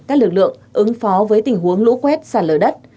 các lực lượng ứng phó với tình huống lũ quét sạt lở đất